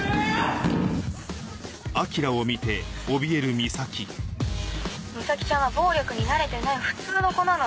ミサキちゃんは暴力に慣れてない普通の子なの。